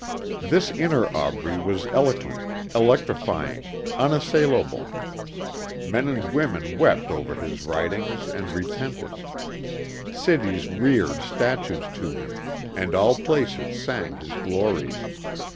This inner Aubrey was eloquent, electrifying, unassailable; men and women wept over his writings and repented; cities reared statues to him, and all places sang his glories.